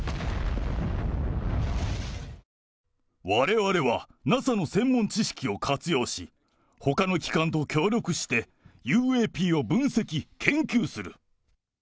われわれはＮＡＳＡの専門知識も活用し、ほかの機関と協力して、ＵＡＰを分析・研究する。